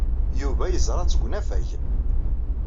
Yuba yeẓra-tt deg unafag.